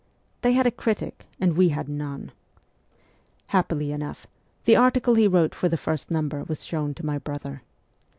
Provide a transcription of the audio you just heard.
They had a critic, and we had none ! Happily enough, the article he wrote for the first number was shown to my brother.